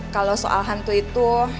kalau soal hantu itu